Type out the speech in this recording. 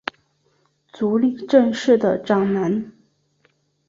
足利政氏的长男。